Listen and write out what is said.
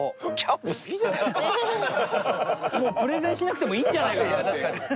もうプレゼンしなくてもいいんじゃないかなって。